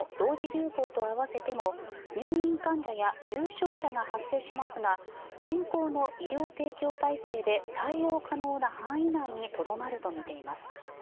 流行と合わせても入院患者や重症者が発生しますが現行の医療提供体制で対応可能な範囲内にとどまるとみています。